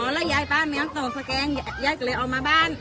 อ๋อแล้วยายบ้านเนี้ยตกสแกงยายก็เลยเอามาบ้าน